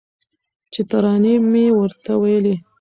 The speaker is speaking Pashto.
چي ترانې مي ورته ویلې